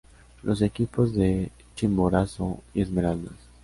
Los equipos de Chimborazo y Esmeraldas.